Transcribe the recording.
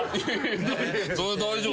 それは大丈夫。